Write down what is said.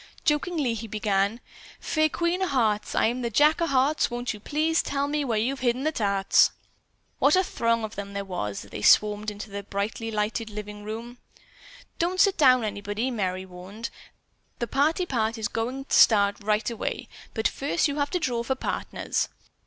Jokingly he began: "Fair Queen o' Hearts, I'm the Jack o' Hearts, won't you please tell me where you've hidden the tarts?" What a throng of them there was as they swarmed into the brightly lighted living room. "Don't sit down, anybody," Merry warned. "The party part is going to start right away. But first you have to draw for partners."